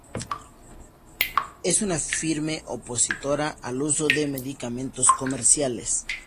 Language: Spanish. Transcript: Es una firme opositora al uso de medicamentos comerciales.